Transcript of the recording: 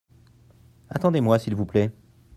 Attendez-moi s'il vous plait.